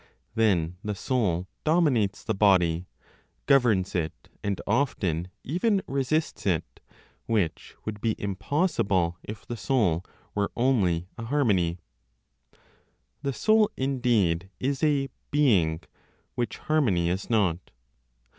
Then the soul dominates the body, governs it, and often even resists it, which would be impossible if the soul were only a harmony. The soul, indeed, is a "being," which harmony is not.